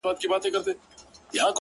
ياره د مُلا په قباله دې سمه _